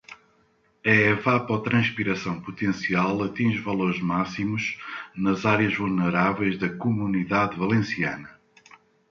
A evapotranspiração potencial atinge valores máximos nas áreas vulneráveis da Comunidade Valenciana.